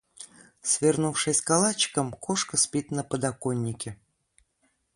Свернувшись калачиком, кошка спит на подоконнике.